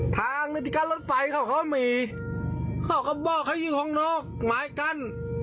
ทางรถไฟเขาก็มีเขาก็บอกเขายืนข้องนอกมายการ